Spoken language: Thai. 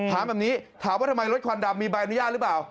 ถามแบบนี้ถามว่าทำไมรถควันดำมีใบอนุญาตหรือเปล่า